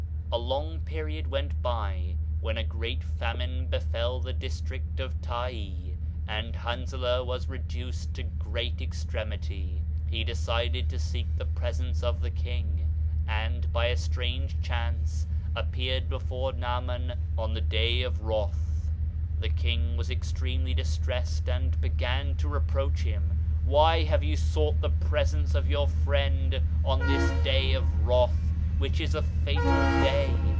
A long period went by, when a great famine befell the district of Taey, and Hanzalah was re duced to great extremity. He decided to seek the presence of the king, and by a strange chance appeared before Naaman on the day of wrath. The king was extremely distressed and began to reproach him : "Why have you sought the pres ence of your friend on this day of wrath, which is a fatal day?